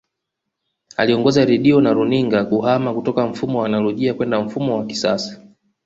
Aliongoza Redio na runinga kuhama kutoka mfumo wa anolojia kwenda mfumo wa kisasa